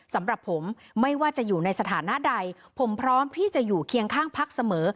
สำหรับผมไม่ว่าจะอยู่ในสถานะใดผมพร้อมที่จะอยู่เคียงข้างพักเสมอ